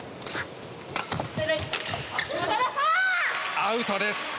アウトです。